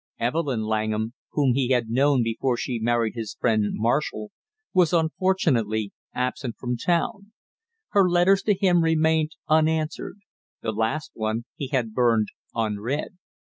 Evelyn Langham, whom he had known before she married his friend Marshall, was fortunately absent from town. Her letters to him remained unanswered; the last one he had burned unread.